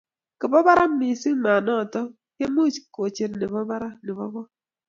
kabo barak mising mat noton kemuch kocher nebo barak nebo kot